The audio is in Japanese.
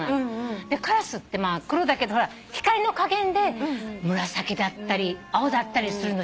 カラスって真っ黒だけど光の加減で紫だったり青だったりするの知ってる？